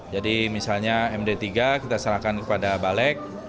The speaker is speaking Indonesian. jadi misalnya md tiga kita serahkan kepada balek